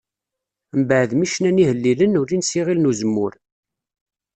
Mbeɛd mi cnan ihellilen ulin s iɣil n Uzemmur.